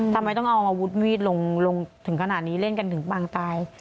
ทำไมต้องเอาอาวุธมีดลงถึงขนาดนี้เล่นกันถึงปางตาย